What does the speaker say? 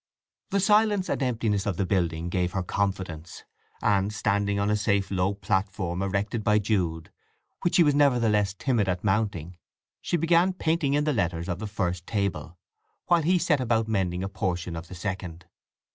The silence and emptiness of the building gave her confidence, and, standing on a safe low platform erected by Jude, which she was nevertheless timid at mounting, she began painting in the letters of the first Table while he set about mending a portion of the second.